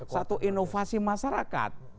satu inovasi masyarakat